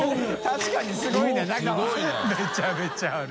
確かにすごいね中は。）